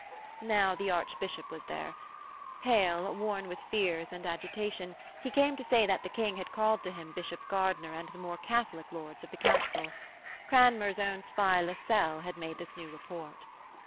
Now the Archbishop was there. Pale, worn with fears and agitation, he came to say that the King had called to him Bishop Gardiner and the more Catholic lords of the Council. Cranmer's own spy Lascelles had made this new report.